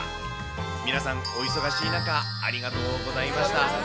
皆さんお忙しい中、ありがとうございました。